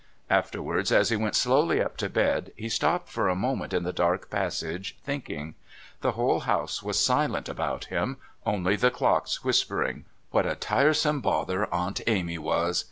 Afterwards, as he went slowly up to bed, he stopped for a moment in the dark passage thinking. The whole house was silent about him, only the clocks whispering. What a tiresome bother Aunt Amy was!